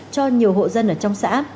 cho nhiều hộ dân